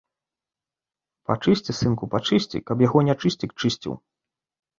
Пачысці, сынку, пачысці, каб яго нячысцік чысціў.